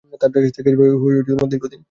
তার রেশ থেকে যাবে দীর্ঘদিন।